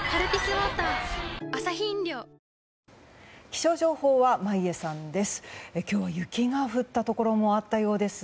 気象情報は眞家さんです。